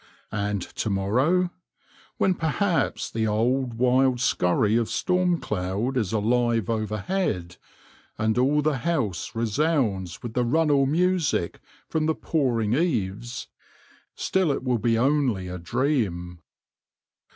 And to morrow, when perhaps the old wild scurry of storm cloud is alive overhead, and all the house resounds with the runnel music from the pouring eaves, still it will be only a dream.